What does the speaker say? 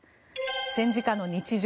戦時下の日常